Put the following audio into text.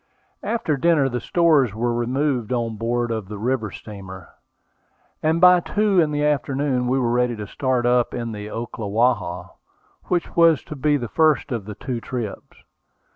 After dinner the stores were removed on board of the river steamer, and by two in the afternoon we were ready to start up the Ocklawaha, which was to be the first of the two trips.